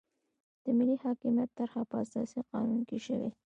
د ملي حاکمیت طرحه په اساسي قانون کې شوې.